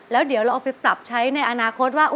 แล้วเดี๋ยวเราเอาไปปรับใช้ในอนาคตว่า